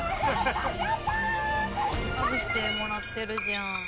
「ハグしてもらってるじゃん」